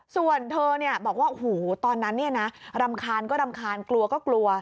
ส่วนเธอบอกว่าโอ้โหตอนนั้นรำคาญก็รำคาญกลัวก็กลัว